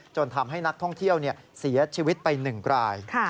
จนทำให้นักท่องเที่ยวเสียชีวิตไปหนึ่งกลาย